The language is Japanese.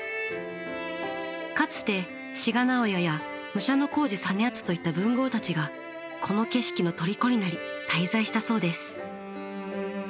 かつて志賀直哉や武者小路実篤といった文豪たちがこの景色の虜になり滞在したそうです。